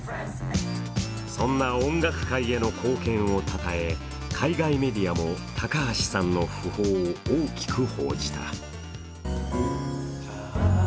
そんな音楽界への貢献をたたえ海外メディアも高橋さんの訃報を大きく報じた。